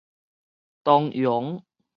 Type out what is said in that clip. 東陽